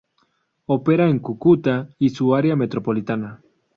Opera en Cúcuta y su área metropolitana.